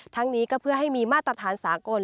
นี้ก็เพื่อให้มีมาตรฐานสากล